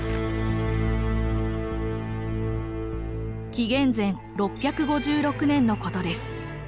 紀元前６５６年のことです。